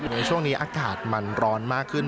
ในช่วงนี้อากาศมันร้อนมากขึ้น